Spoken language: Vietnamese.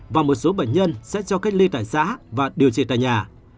và một số bệnh nhân sẽ cho cách ly tại xã và điều trị tại nhà